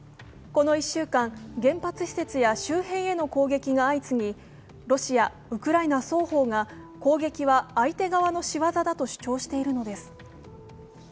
この１週間、原発施設や周辺への攻撃が相次ぎロシア、ウクライナ双方が攻撃は相手側の仕業だと主張しているのです。